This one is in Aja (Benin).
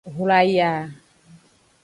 Hlwaya.